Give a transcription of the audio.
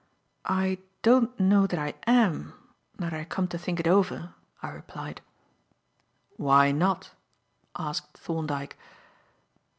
"I don't know that I am, now that I come to think it over," I replied. "Why not?" asked Thorndyke.